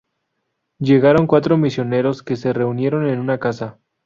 Llegaron cuatro misioneros que se reunieron en una casa.